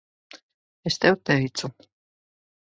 Es tev teicu.